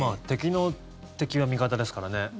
敵の敵は味方ですからね。